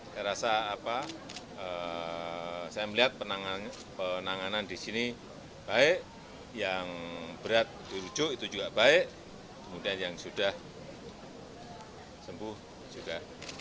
saya rasa apa saya melihat penanganan di sini baik yang berat dirujuk itu juga baik kemudian yang sudah sembuh juga